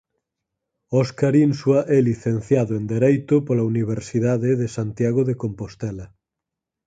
Óscar Insua é Licenciado en Dereito pola Universidade de Santiago de Compostela.